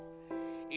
duduk ya tuhan